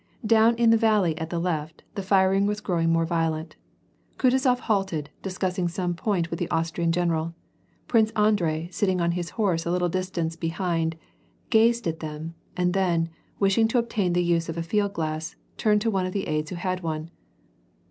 Down in the valley at the left, the firing was growing more violent. Kutuzof halted, discussing some point with the Austrian general. Prince Andrei, sitting on his horse a little distance behind, gazed at ^liem, and then, wishing to obtain the use of a field glass, turned to one of the aids who had one.